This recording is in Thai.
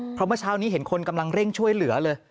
เพราะเมื่อเช้านี้เห็นคนกำลังเร่งช่วยเหลือเลย